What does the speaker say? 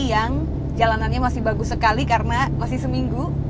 yang jalanannya masih bagus sekali karena masih seminggu